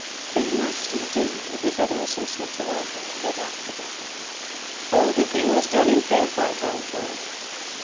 "They must, indeed, if his other associates allowed him to live after that." "Oh, the thing was done in fair fight, I am told."